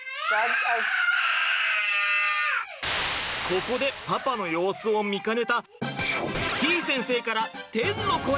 ここでパパの様子を見かねたてぃ先生から天の声！